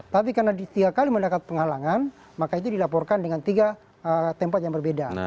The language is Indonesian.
tapi karena tiga kali mendapat penghalangan maka itu dilaporkan dengan tiga tempat yang berbeda